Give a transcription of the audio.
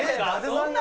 そんな！？